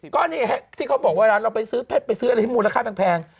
ก็นี่ที่เขาบอกเวลาเราไปซื้อเพชรไปซื้ออะไรที่มูลค่าแพง